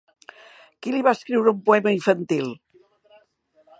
Qui li va escriure un poema infantil?